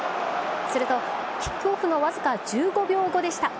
すると、キックオフの僅か１５秒後でした。